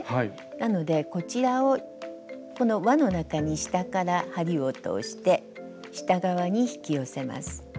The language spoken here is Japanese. なのでこちらをこのわの中に下から針を通して下側に引き寄せます。